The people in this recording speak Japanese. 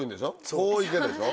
こう行けでしょ？